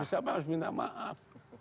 siapa harus minta maaf